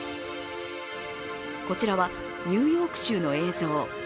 こちらはニューヨーク州の映像。